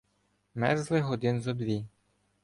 Мерзли годин зо дві.